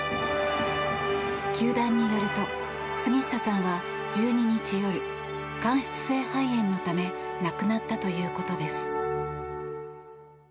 球団によると杉下さんは１２日夜間質性肺炎のため亡くなったということです。